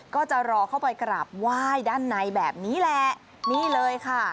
ก็จะรอเข้าไปกราบไหว้ด้านในแบบนี้แหละนี่เลยค่ะ